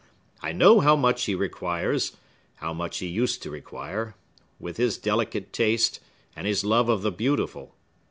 I know how much he requires,—how much he used to require,—with his delicate taste, and his love of the beautiful.